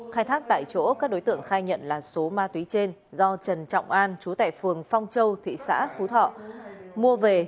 khai thác tại chỗ các đối tượng khai nhận là số ma túy trên do trần trọng an chú tại phường phong châu thị xã phú thọ mua về